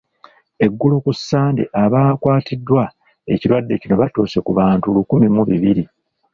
Eggulo ku Ssande abakwatiddwa ekirwadde kino batuuse ku bantu lukumi mu bibiri.